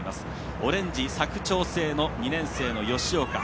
オレンジ、佐久長聖の２年生の吉岡。